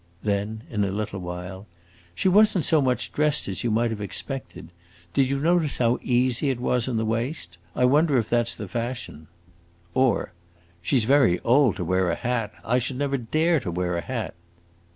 Then in a little while, "She was n't so much dressed as you might have expected. Did you notice how easy it was in the waist? I wonder if that 's the fashion?" Or, "She 's very old to wear a hat; I should never dare to wear a hat!"